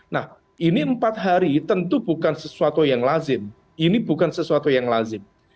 nah ini empat hari tentu bukan sesuatu yang lazim ini bukan sesuatu yang lazim